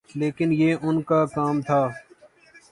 لیکن یہ ان کا کام تھا۔